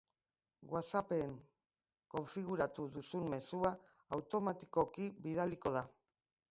WhatsApp-en konfiguratu duzun mezua automatikoki bidaliko da.